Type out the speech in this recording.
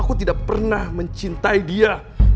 aku tidak pernah mencintai dia